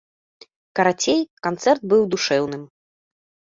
Карацей, канцэрт быў душэўным.